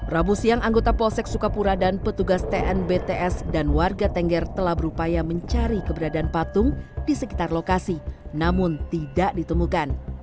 rabu siang anggota polsek sukapura dan petugas tnbts dan warga tengger telah berupaya mencari keberadaan patung di sekitar lokasi namun tidak ditemukan